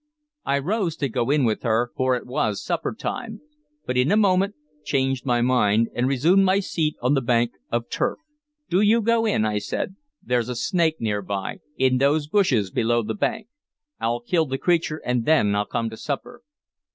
I rose to go in with her, for it was supper time, but in a moment changed my mind, and resumed my seat on the bank of turf. "Do you go in," I said. "There's a snake near by, in those bushes below the bank. I'll kill the creature, and then I'll come to supper."